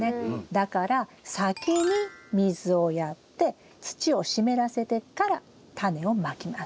だから先に水をやって土を湿らせてからタネをまきます。